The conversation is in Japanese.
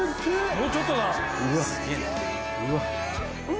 ・もうちょっとだ。うお！